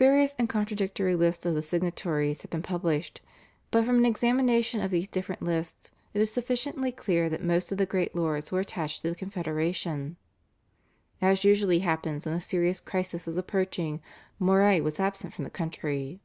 Various and contradictory lists of the signatories have been published, but from an examination of these different lists it is sufficiently clear that most of the great lords were attached to the confederation. As usually happened when a serious crisis was approaching, Moray was absent from the country.